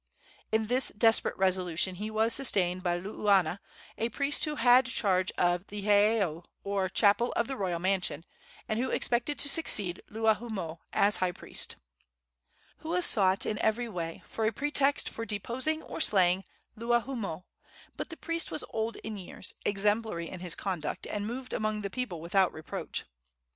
In this desperate resolution he was sustained by Luuana, a priest who had charge of the heiau or chapel of the royal mansion, and who expected to succeed Luahoomoe as high priest. Hua sought in every way for a pretext for deposing or slaying Luahoomoe; but the priest was old in years, exemplary in his conduct, and moved among the people without reproach.